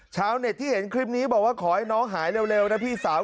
ชาวเน็ตที่เห็นคลิปนี้บอกว่าขอให้น้องหายเร็วนะพี่สาว